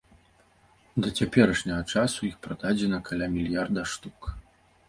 Да цяперашняга часу іх прададзена каля мільярда штук.